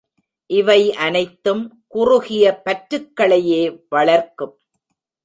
இவை அனைத்தும் குறுகிய பற்றுக்களையே வளர்க்கும்.